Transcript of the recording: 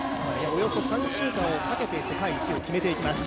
およそ３週間をかけて世界一を決めていきます。